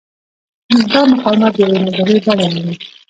دا مقاومت د یوې نظریې بڼه لري.